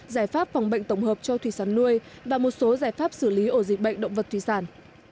giải pháp phòng bệnh tổng hợp cho thủy sản nuôi và một số giải pháp xử lý ổ dịch bệnh động vật thủy sản